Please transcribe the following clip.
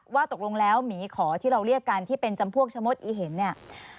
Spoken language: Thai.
ว่าตกลงแล้วหมีขอที่เราเรียกกันที่เป็นจำพวกชะมดอีเห็นเนี่ย